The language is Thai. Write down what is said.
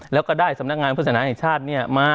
แล้วก็ได้สำนักงานพุทธศนาแห่งชาติมา